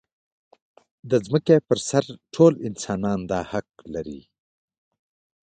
د ځمکې پر سر ټول انسانان دا حق لري.